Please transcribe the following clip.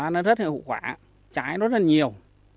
nó rất là hữu quả trái rất là nhiều